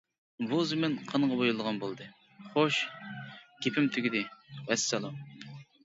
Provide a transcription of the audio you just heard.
بۇ زېمىن قانغا بويىلىدىغان بولدى. خوش، گېپىم تۈگىدى، ۋەسسالام.